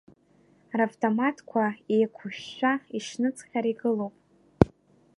Равтоматқәа еиқәышәшәа ишныҵҟьара игылоуп.